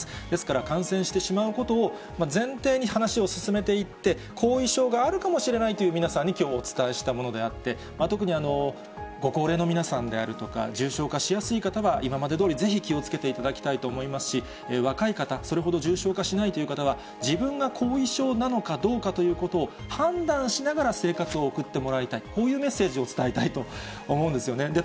ですから、感染してしまうことを前提に話を進めていって、後遺症があるかもしれないと、皆さんにきょう、お伝えしたものであって、特にご高齢の皆さんであるとか、重症化しやすい方は、今までどおりぜひ気をつけいただきたいと思いますし、若い方、それほど重症化しないという方は、自分が後遺症なのかどうかということを、判断しながら生活を送ってもらいたい、こういうメッセージを伝えたいと思うんですよね。